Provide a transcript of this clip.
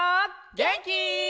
げんき？